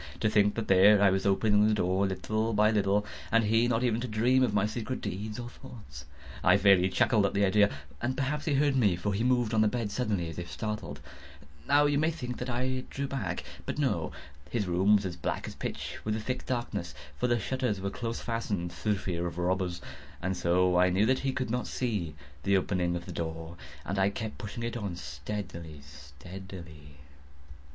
To think that there I was, opening the door, little by little, and he not even to dream of my secret deeds or thoughts. I fairly chuckled at the idea; and perhaps he heard me; for he moved on the bed suddenly, as if startled. Now you may think that I drew back—but no. His room was as black as pitch with the thick darkness, (for the shutters were close fastened, through fear of robbers,) and so I knew that he could not see the opening of the door, and I kept pushing it on steadily, steadily.